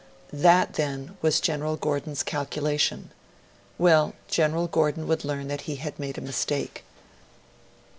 That, then, was General Gordon's calculation! Well, General Gordon would learn that he had made a mistake.